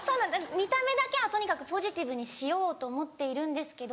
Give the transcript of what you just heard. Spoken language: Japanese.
見た目だけはとにかくポジティブにしようと思っているんですけど。